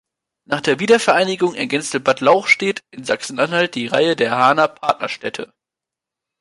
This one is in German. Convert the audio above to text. Nach der Wiedervereinigung ergänzte Bad Lauchstädt in Sachsen-Anhalt die Reihe der Haaner Partnerstädte.